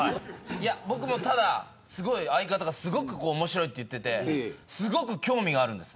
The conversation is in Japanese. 僕もただ、すごい相方が面白いって言っててすごく興味があるんです。